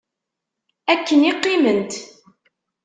Akken i qiment.